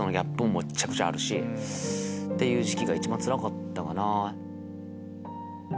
むっちゃくちゃあるし。っていう時期が一番つらかったかな。